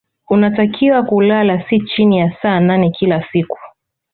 Unatakiwa kulala si chini ya saa nane kila siku